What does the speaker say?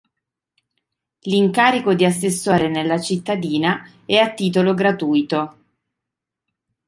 L'incarico di assessore nella cittadina è a titolo gratuito.